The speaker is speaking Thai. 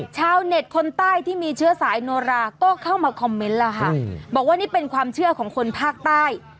ชาวเน็ตคนใต้ที่มีเชื้อสายโนราก็เข้ามาคอมเมนต์แล้วค่ะบอกว่านี่เป็นความเชื่อของคนภาคใต้